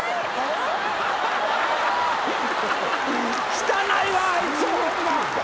汚いわあいつホンマ。